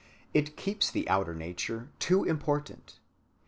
It keeps the outer nature too important.